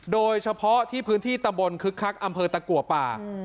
โดยเฉพาะที่พื้นที่ตำบลคึกคักอำเภอตะกัวป่า